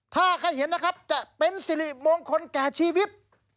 ถ้าใครเห็นนะครับจะเป็นสิริมงคลแก่ชีวิต